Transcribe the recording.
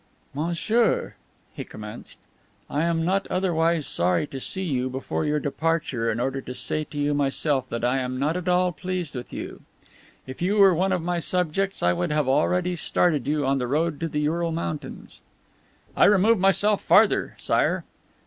"Monsieur," he commenced, "I am not otherwise sorry to see you before your departure in order to say to you myself that I am not at all pleased with you. If you were one of my subjects I would have already started you on the road to the Ural Mountains." "I remove myself farther, Sire."